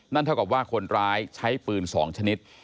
เท่ากับว่าคนร้ายใช้ปืน๒ชนิด